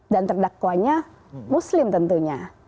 dan terdakwanya muslim tentunya